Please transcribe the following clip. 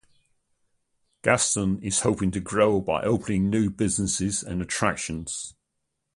Gaston is hoping to grow by opening new businesses and attractions.